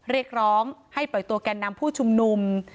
เรียกร้องให้ปล่อยตัวแก่นนำผู้ชุมนุม